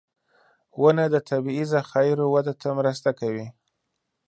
• ونه د طبعي ذخایرو وده ته مرسته کوي.